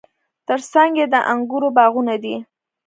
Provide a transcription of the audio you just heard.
ترڅنګ یې د انګورو باغونه دي.